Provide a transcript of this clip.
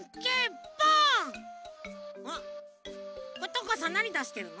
トンカチさんなにだしてるの？